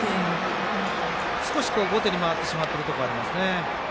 少し後手に回ってしまっているところありますね。